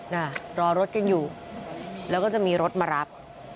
น่ะรอรถกันอยู่แล้วก็จะมีรถมารับ